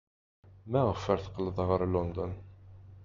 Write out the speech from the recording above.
Maɣef ay teqqled ɣer London?